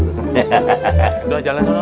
udah jalan jalan lah